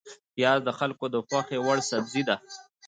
پیاز د خلکو د خوښې وړ سبزی ده